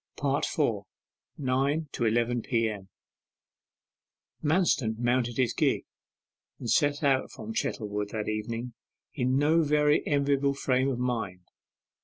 4. NINE TO ELEVEN P.M. Manston mounted his gig and set out from Chettlewood that evening in no very enviable frame of mind.